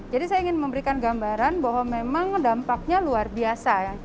jadi saya ingin memberikan gambaran bahwa memang dampaknya luar biasa ya